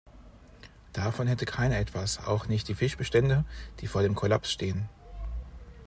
Davon hätte keiner etwas, auch nicht die Fischbestände, die vor dem Kollaps stehen.